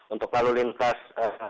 untuk lalu lintas